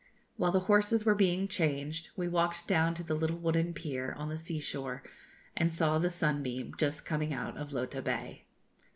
While the horses were being changed, we walked down to the little wooden pier, on the sea shore, and saw the 'Sunbeam' just coming out of Lota Bay.